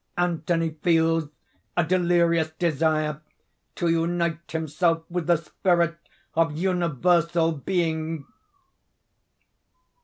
Anthony feels a delirious desire to unite himself with the Spirit of Universal Being....